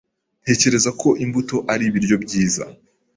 Ntekereza ko imbuto ari ibiryo byiza.